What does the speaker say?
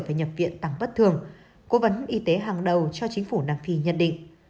phải nhập viện tăng bất thường cố vấn y tế hàng đầu cho chính phủ nam phi nhận định